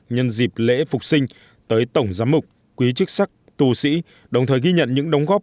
nhân dịp lễ phục sinh tới tổng giám mục quý chức sắc tù sĩ đồng thời ghi nhận những đóng góp